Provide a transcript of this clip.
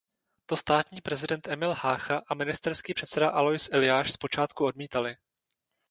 To státní prezident Emil Hácha a ministerský předseda Alois Eliáš zpočátku odmítali.